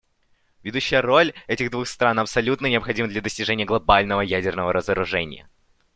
Ведущая роль этих двух стран абсолютно необходима для достижения глобального ядерного разоружения.